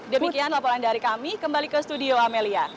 demikian laporan dari kami kembali ke studio amelia